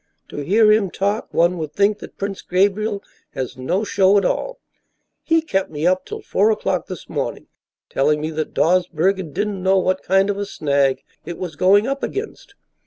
To hear him talk, one would think that Prince Gabriel has no show at all. He kept me up till four o'clock this morning telling me that Dawsbergen didn't know what kind of a snag it was going up against.